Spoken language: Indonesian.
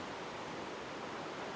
pemerintah kota juga harus menyambung